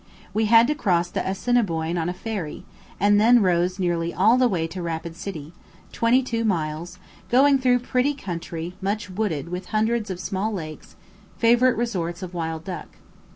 We had to cross the Assiniboine on a ferry, and then rose nearly all the way to Rapid City, twenty two miles, going through pretty country much wooded and with hundreds of small lakes, favourite resorts of wild duck.